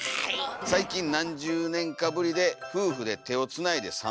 「最近何十年かぶりで夫婦で手をつないで散歩しております」。